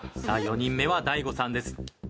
さあ４人目は大悟さんです。